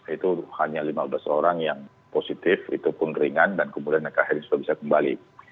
itu hanya lima belas orang yang positif itu pun ringan dan kemudian mereka akhirnya sudah bisa kembali